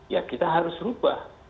ya kita harus rubah